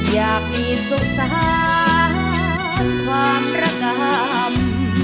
อยากมีสุสานความระกรรม